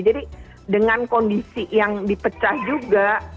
jadi dengan kondisi yang dipecah juga